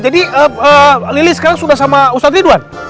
jadi lilis sekarang sudah sama ustadz ridwan